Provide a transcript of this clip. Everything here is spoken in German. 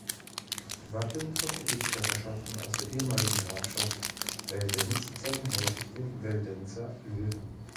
Wappen von Gebietskörperschaften aus der ehemaligen Grafschaft Veldenz zeigen häufig den Veldenzer Löwen.